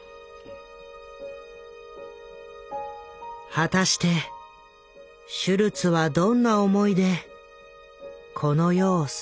果たしてシュルツはどんな思いでこの世を去ったのか？